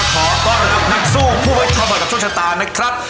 ขอบรรยาท่านนักสู้ผู้ไม่เฉินผิดกับโชคชะตานะครับ